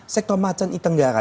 sektor macan di tenggara